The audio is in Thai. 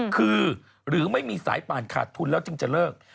คือหรือไม่มีสายป่านขาดทุนแล้วจึงจะเลิก